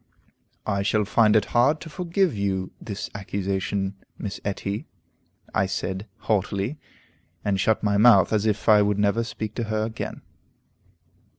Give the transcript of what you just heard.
I shall find it hard to forgive you this accusation, Miss Etty," I said, haughtily, and shut my mouth as if I would never speak to her again.